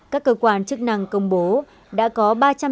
các cơ quan chức năng công bố đã có ba trăm chín mươi bảy